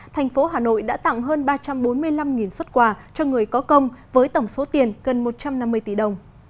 thành phố hà nội đã tặng hơn ba trăm bốn mươi năm xuất quà cho người có công với tổng số tiền gần một trăm năm mươi tỷ đồng